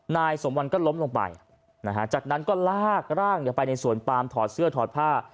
นายสมวันก็ล้มลงไปนะฮะจากนั้นก็ลากร่างไปในสวนปามถอดเสื้อถอดผ้า